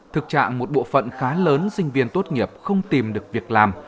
thực trạng một bộ phận khá lớn sinh viên tốt nghiệp không tìm được việc làm